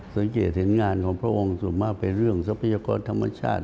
สังเกตเห็นงานของพระองค์ส่วนมากเป็นเรื่องทรัพยากรธรรมชาติ